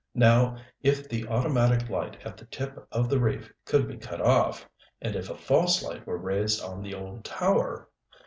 Now if the automatic light at the tip of the reef could be cut off, and if a false light were raised on the old tower